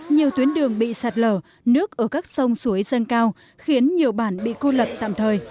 nhiều tuyến đường bị sạt lở nước ở các sông suối dâng cao khiến nhiều bản bị cô lập tạm thời